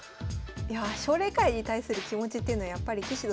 奨励会に対する気持ちっていうのはやっぱり棋士の先生